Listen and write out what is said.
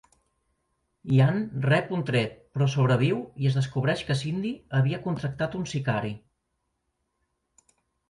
Ian rep un tret, però sobreviu i es descobreix que Cindy havia contractat un sicari.